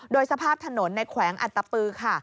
โดยสภาพถนนในแขวงอัตตปือค่ะ